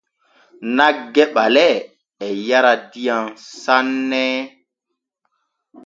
Nagge ɓalee e yara diyam sanne.